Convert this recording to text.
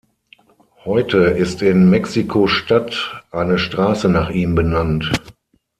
Heute ist in Mexiko-Stadt eine Straße nach ihm benannt.